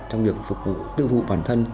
trong việc phục vụ tự vụ bản thân